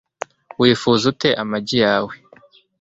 wifuza ute amagi yawe